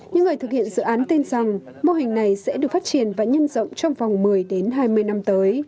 những người thực hiện dự án tin rằng mô hình này sẽ được phát triển và nhân rộng trong vòng một mươi hai mươi năm tới